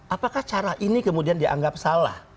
apakah cara ini kemudian dianggap salah